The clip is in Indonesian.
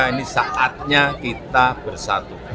ini saatnya kita bersatu